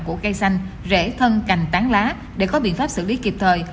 của cây xanh rễ thân cành tán lá để có biện pháp xử lý kịp thời